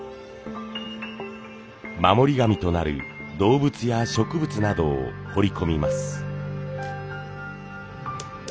守り神となる動物や植物などを彫り込みます。